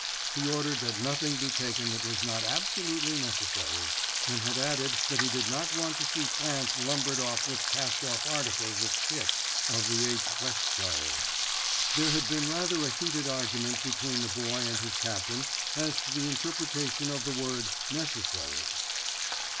He ordered that nothing be taken that was not absolutely necessary, and had added that he did not want to see France lumbered up with cast off articles of kit of the 8th Westshires. There had been rather a heated argument between the Boy and his captain as to the interpretation of the word "necessaries."